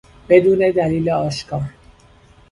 بدون دلیل آشکار